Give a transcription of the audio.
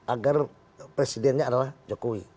agar presidennya adalah jokowi